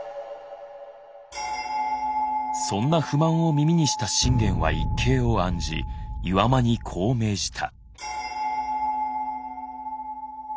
そんな不満を耳にした信玄は一計を案じ岩間にこう命じた。